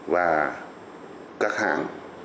và các hãng